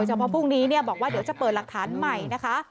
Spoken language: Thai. เพราะพรุ่งนี้บอกว่าเดี๋ยวจะเปิดหลักฐานใหม่นะคะ